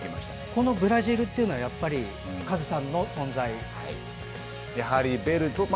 このブラジルというのはやっぱりカズさんの存在？